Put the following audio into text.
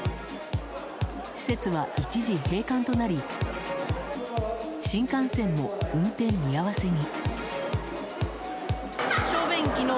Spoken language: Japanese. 施設は、一時閉館となり新幹線も運転見合わせに。